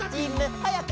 はやく。